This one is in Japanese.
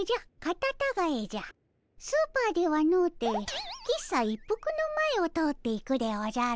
スーパーではのうて喫茶一服の前を通って行くでおじゃる。